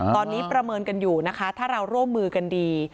ตอนนี้ประเมินกันอยู่นะคะถ้าเราร่วมมือกันดี